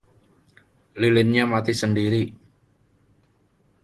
Lilinnya mati sendiri.